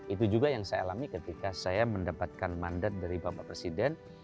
itu juga yang saya alami ketika saya mendapatkan mandat dari bapak presiden